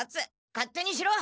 勝手にしろ！